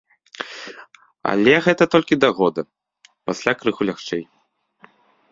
Але гэта толькі да года, пасля крыху лягчэй.